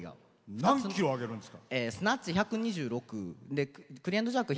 何ｋｇ挙げるんですか？